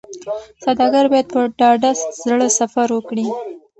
سوداګر باید په ډاډه زړه سفر وکړي.